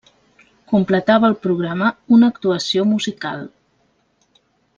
Completava el programa una actuació musical.